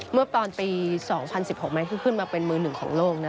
เมื่อตอนปี๒๐๑๖ไหมคือขึ้นมาเป็นมือหนึ่งของโลกนะ